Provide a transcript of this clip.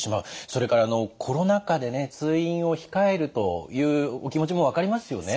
それからコロナ禍でね通院を控えるというお気持ちも分かりますよね。